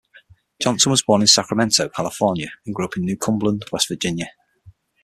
Johnston was born in Sacramento, California, and grew up in New Cumberland, West Virginia.